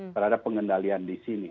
terhadap pengendalian di sini